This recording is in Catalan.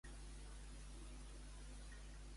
Quantes persones són a la família de l'altre dona?